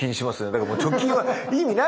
だからもう貯金は意味ないんですよ。